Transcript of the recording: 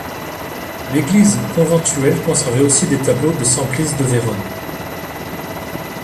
L'église conventuelle conservait aussi des tableaux de Semplice de Vérone.